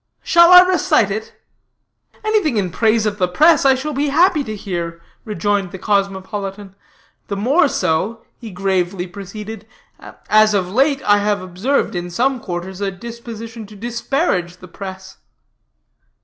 Shall I recite it?" "Anything in praise of the press I shall be happy to hear," rejoined the cosmopolitan, "the more so," he gravely proceeded, "as of late I have observed in some quarters a disposition to disparage the press."